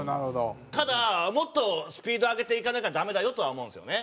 ただもっとスピード上げていかなきゃダメだよとは思うんですよね。